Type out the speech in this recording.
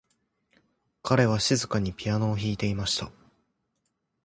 彼は静かにピアノを弾いていました。